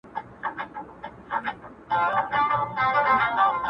ستا غمونه ستا دردونه زما بدن خوري .